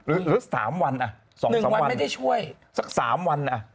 หรือสามวันอ่ะสองสามวันหนึ่งวันไม่ได้ช่วยสักสามวันอ่ะ